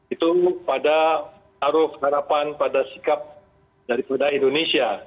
itu pada taruh harapan pada sikap daripada indonesia